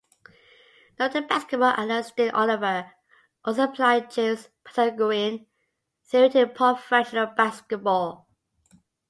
Noted basketball analyst Dean Oliver also applied James' Pythagorean theory to professional basketball.